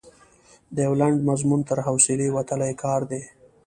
د یو لنډ مضمون تر حوصلې وتلی کار دی.